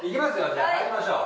じゃあ入りましょう。